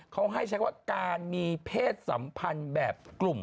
เขาให้ใช้ว่าการมีเพศสัมพันธ์แบบกลุ่ม